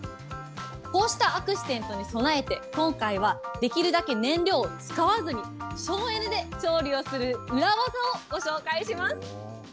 こうしたアクシデントに備えて、今回はできるだけ燃料を使わずに、省エネで調理をする裏技をご紹介します。